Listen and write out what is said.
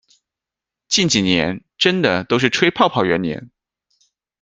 近几年真的都是吹泡泡元年